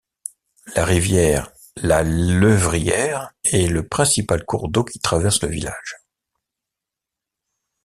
La rivière la Levrière est le principal cours d'eau qui traverse le village.